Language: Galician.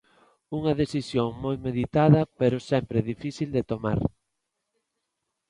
Unha decisión moi meditada pero sempre difícil de tomar.